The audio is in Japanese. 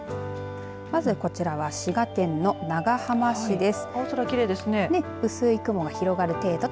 まず、こちらは滋賀県の長浜市です。